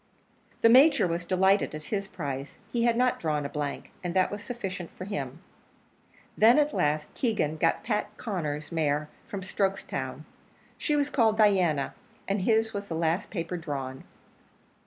The Major was delighted at his prize; he had not drawn a blank, and that was sufficient for him. Then, at last, Keegan got Pat Conner's mare from Strokestown. She was called Diana, and his was the last paper drawn.